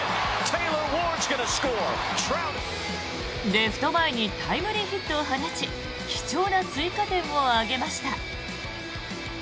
レフト前にタイムリーヒットを放ち貴重な追加点を挙げました。